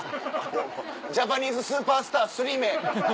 ジャパニーズスーパースタースリーメン。